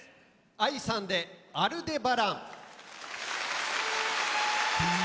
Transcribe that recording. ＡＩさんで「アルデバラン」。